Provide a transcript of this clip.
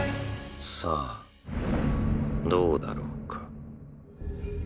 さあどうだろうか。